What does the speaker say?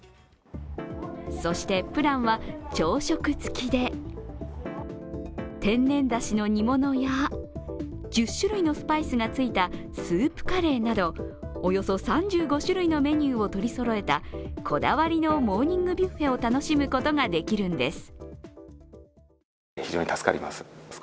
そして、プランは朝食付きで、天然だしの煮物や、１０種類のスパイスがついたスープカレーなどおよそ３５種類のメニューを取りそろえたこだわりのモーニングビュッフェを楽しむことができるんです。